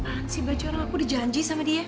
an si bacorong aku udah janji sama dia